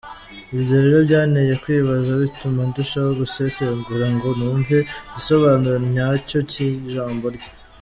Ibyo rero byanteye kwibaza, bituma ndushaho gusesengura ngo numve igisobanuro nyacyo cy’ijambo rye.